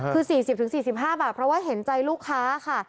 คือ๔๐๔๕บาทเพราะว่าเห็นใจลูกค้าค่ะ